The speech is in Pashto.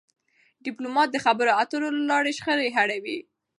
ډيپلومات د خبرو اترو له لارې شخړې حلوي..